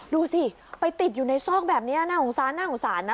ดูสิไปติดอยู่ในซอกแบบนี้น่าหงุสานะคุณผู้ชม